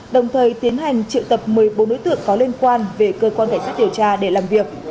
đồng thời tiến hành triệu tập một mươi bốn đối tượng có liên quan về cơ quan cảnh sát điều tra để làm việc